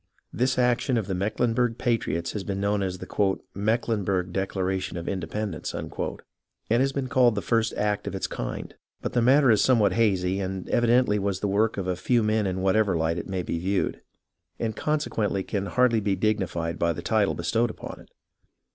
This action of the Mecklenburg patriots has been known as the 60 HISTORY OF THE AMERICAN REVOLUTION "Mecklenburg Declaration of Independence," and has been called the first act of its kind. But the matter is some what hazy, and evidently was the work of a few men in whatever light it may be viewed, and consequently can hardly be dignified by the title bestowed upon it.